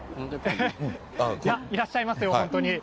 いらっしゃいますよ、本当に。